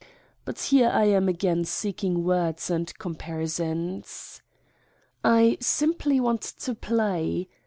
. but, here I am again seeking words and comparisons! I simply want to play.